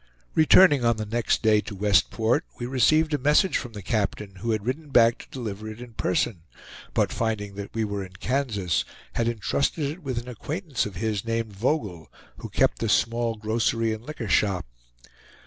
Returning on the next day to Westport, we received a message from the captain, who had ridden back to deliver it in person, but finding that we were in Kansas, had intrusted it with an acquaintance of his named Vogel, who kept a small grocery and liquor shop.